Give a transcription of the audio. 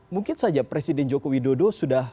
mungkin saja presiden joko widodo sudah